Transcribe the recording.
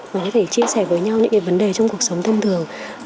mà có thể chia sẻ với nhau những vấn đề trong cuộc sống thông thường